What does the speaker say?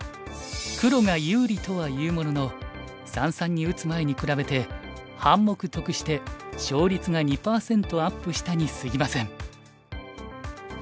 黒が有利とはいうものの三々に打つ前に比べて半目得して勝率が２％アップしたにすぎません。